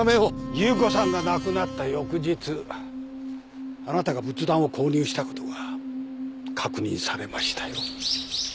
夕子さんが亡くなった翌日あなたが仏壇を購入したことが確認されましたよ。